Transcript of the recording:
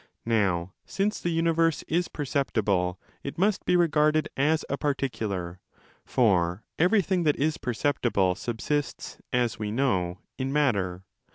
Now since the universe is per ~ ceptible it must be regarded as a particular; for every thing that is perceptible subsists, as we know, in matter.